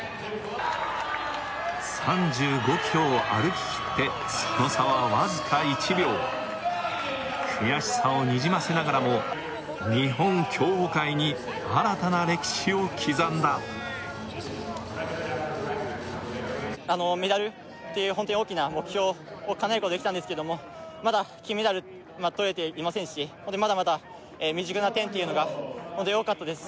３５ｋｍを歩ききってその差はわずか１秒悔しさをにじませながらも日本競歩界に新たな歴史を刻んだあのメダルっていうホントに大きな目標をかなえることはできたんですけどもまだ金メダルはとれていませんしまだまだ未熟な点っていうのがホントに多かったです